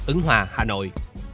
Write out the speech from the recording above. ứng hòa hà nội